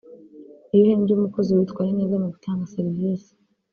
Iyo uhembye umukozi witwaye neza mu gutanga serivise